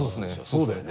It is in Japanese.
そうだよね？